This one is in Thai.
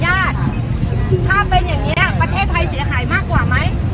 ญาติถ้าเป็นอย่างนี้ประเทศไทยเสียหายมากกว่าไหม